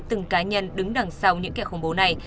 từng cá nhân đứng đằng sau những kẻ khủng bố này